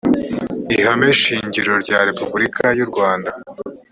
ihame shingiro rya repubulika y’u rwanda